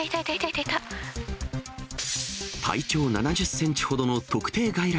体長７０センチほどの特定外来